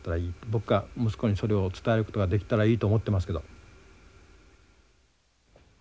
僕が息子にそれを伝えることができたらいいと思ってますけど。